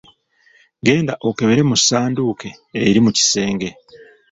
Genda okebera mu sanduuke eri mu kisenge.